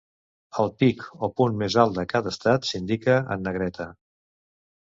El pic o punt més alt de cada estat s'indica en negreta.